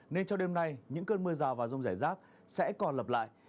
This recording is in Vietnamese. nên cho đêm nay những cơn mưa rào và rông rải rác sẽ còn lập lại